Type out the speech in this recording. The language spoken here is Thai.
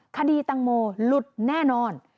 ตังโมหลุดแน่นอน